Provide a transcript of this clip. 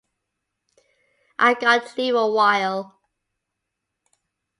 I got to leave a while.